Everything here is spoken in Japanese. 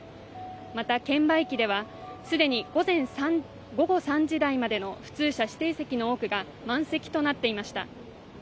また券売機ではすでに午後３時台までの普通車指定席の多くが満席となっていました。